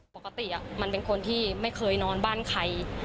ปกติมันเป็นคนที่ไม่เคยนอนบ้านใคร